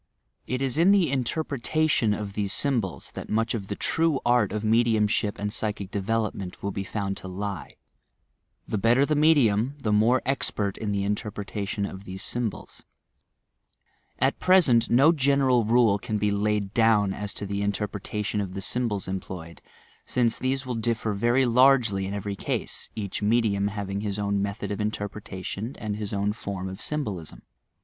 It is in the interpretation of these sj mbols that much of the true art of mediumship and psychic development will be found to lie — the better the medium the more expert in the interpretation of these sjTnbols, At present no general rule can be laid down aa to the interpretation of the symbols employed, since these will differ very largely in every ease, each medium hav ing his own method of interpretation, and his own form of symbolism.